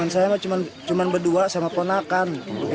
saya cuma berdua sama ponakan